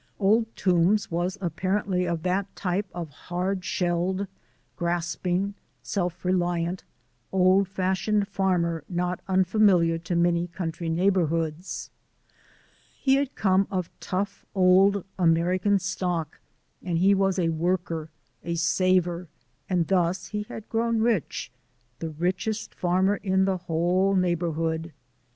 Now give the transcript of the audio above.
Old Toombs was apparently of that type of hard shelled, grasping, self reliant, old fashioned farmer not unfamiliar to many country neighbourhoods. He had come of tough old American stock and he was a worker, a saver, and thus he had grown rich, the richest farmer in the whole neighbourhood.